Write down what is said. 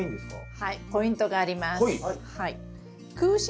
はいポイントがあります。